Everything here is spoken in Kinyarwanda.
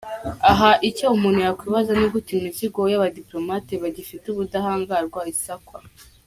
Aha icyo umuntu yakwibaza nigute imizigo y’Abadipolomate bagifite ubudahangarwa isakwa ?